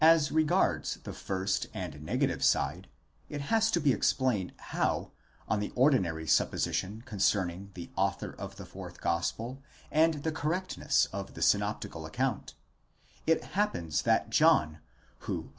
As regards the first and negative side, it has to be explained how, on the ordinary supposition concerning the author of the fourth gospel and the cor rectness of the synoptical account, it happens that John, who according to the 29 Paulus, ut sup.